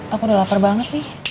aku udah lapar banget nih